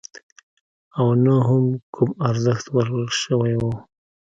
او نه هم کوم ارزښت ورکړل شوی وو.